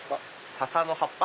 ササの葉っぱ。